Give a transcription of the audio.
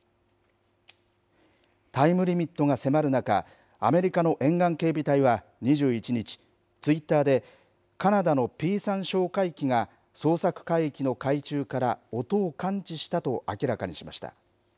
タイムリミットが迫る中、アメリカの沿岸警備隊は２１日、ツイッターで、カナダのＰ３哨戒機が捜索海域の海中から音を感知したと明らかにしました。